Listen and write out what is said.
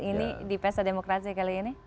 ini di pesademokrasi kali ini